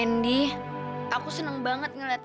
kendi aku seneng banget ngeliatnya